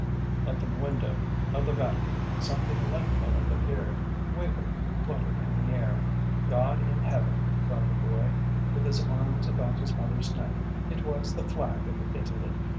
At the window of the Vatican something light colored appeared, wavered, fluttered in the air. God in heaven!" cried the boy, with his arms about his mother's neck, "it was the flag of Italy!"